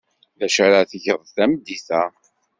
D acu ara tgeḍ tameddit-a?